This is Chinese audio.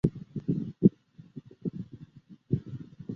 瓜拉拉佩斯是巴西圣保罗州的一个市镇。